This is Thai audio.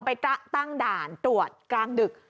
ไปตั้งด่านตรวจกลางดึก